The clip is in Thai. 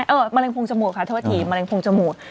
มะเร็งพงจมูกค่ะโทษทีมะเร็งจมูก